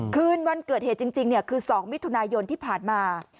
คืนวันเกิดเหตุจริงคือ๒มิถุนายนที่ผ่านมา